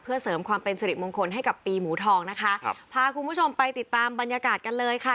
เพื่อเสริมความเป็นสิริมงคลให้กับปีหมูทองนะคะครับพาคุณผู้ชมไปติดตามบรรยากาศกันเลยค่ะ